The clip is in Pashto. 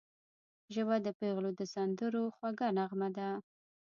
ژبه د پېغلو د سندرو خوږه نغمه ده